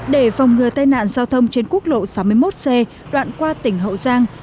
để phòng ngừa tai nạn giao thông trên quốc lộ sáu mươi một c đoạn qua tỉnh hậu giang